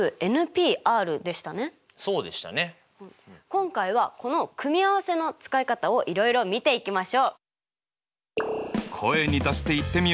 今回はこの組合せの使い方をいろいろ見ていきましょう。